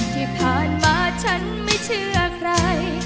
ที่ผ่านมาฉันไม่เชื่อใคร